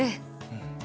うん。